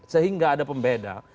sehingga ada pembeda